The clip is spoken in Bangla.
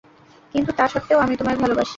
কিন্তু তা স্বত্বেও আমি তোমায় ভালবাসি!